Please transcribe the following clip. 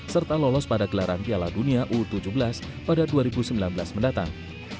serta lolos pada gelaran piala dunia u tujuh belas pada dua ribu sembilan belas mendatang